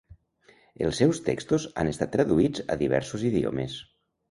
Els seus textos han estat traduïts a diversos idiomes.